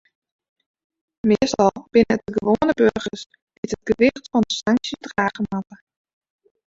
Meastal binne it de gewoane boargers dy't it gewicht fan de sanksjes drage moatte.